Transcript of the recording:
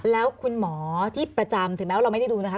แล้วคุณหมอที่ประจำถึงแม้ว่าเราไม่ได้ดูนะคะ